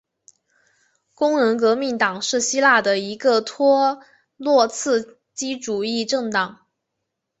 工人革命党是希腊的一个托洛茨基主义政党。